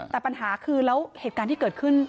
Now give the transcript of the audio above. เชิงชู้สาวกับผอโรงเรียนคนนี้